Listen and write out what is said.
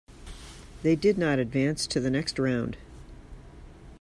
They did not advance to the next round.